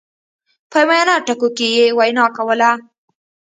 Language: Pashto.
په عاميانه ټکو کې يې وينا کوله.